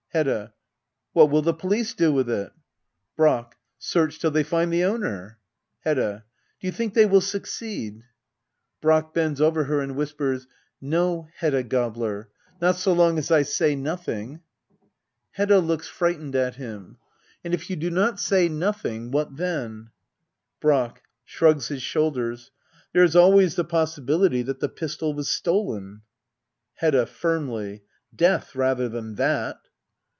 Hedda. What will the police do with it } Brack. Search till they find the owner. Hedda. Do you think they will succeed > Digitized by Google act iv.] hedda oablbr. 181 Brack. [Bends over her and whispers,] No, Hedda Gabler — not so long as I say nothing. Hedda. [Looks frightened at him.] And if you do not say nothing, — what then ? Brack. [Shrugs his shoulders,] There is always the possi bility that the pistol was stolen. Hedda. [Firmlif,] Death rather than that.